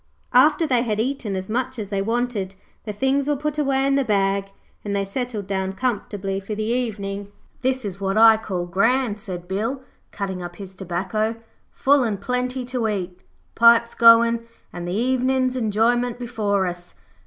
After they had eaten as much as they wanted, the things were put away in the bag, and they settled down comfortably for the evening. 'This is what I call grand,' said Bill, cutting up his tobacco. 'Full and plenty to eat, pipes goin' and the evenin's enjoyment before us.